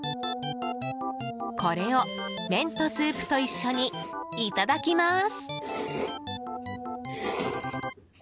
これを麺とスープと一緒にいただきます！